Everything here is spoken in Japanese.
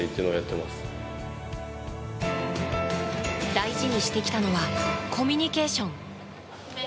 大事にしてきたのはコミュニケーション。